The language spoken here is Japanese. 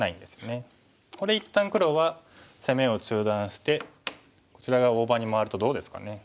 ここで一旦黒は攻めを中断してこちら側大場に回るとどうですかね。